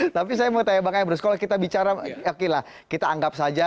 tapi saya mau tanya mbak ebrus kalau kita bicara kita anggap saja